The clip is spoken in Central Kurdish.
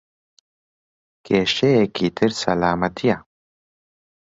کێشەیەکی تر سەلامەتییە.